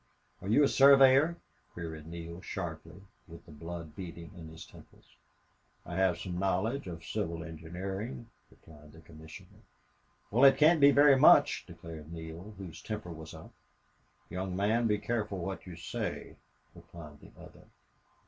"Are you a surveyor?" queried Neale, sharply, with the blood beating in his temples. "I have some knowledge of civil engineering," replied the commissioner. "Well, it can't be very much," declared Neale, whose temper was up. "Young man, be careful what you say," replied the other.